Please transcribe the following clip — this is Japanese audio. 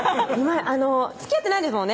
つきあってないですもんね